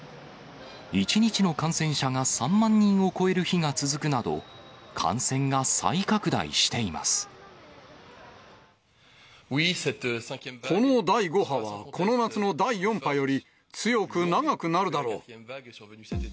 １日の感染者が３万人を超える日が続くなど、この第５波は、この夏の第４波より、強く長くなるだろう。